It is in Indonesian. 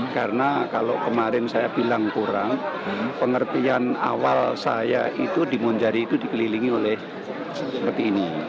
karena kalau kemarin saya bilang kurang pengertian awal saya itu dimunjari itu dikelilingi oleh seperti ini